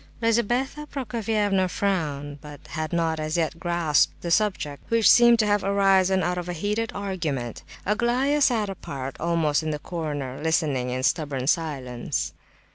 Lizabetha Prokofievna frowned, but had not as yet grasped the subject, which seemed to have arisen out of a heated argument. Aglaya sat apart, almost in the corner, listening in stubborn silence.